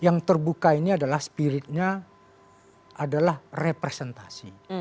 yang terbuka ini adalah spiritnya adalah representasi